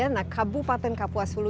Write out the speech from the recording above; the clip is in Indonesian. nah kabupaten kapuas hulu